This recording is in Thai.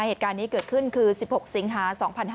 เหตุการณ์นี้เกิดขึ้นคือ๑๖สิงหา๒๕๕๙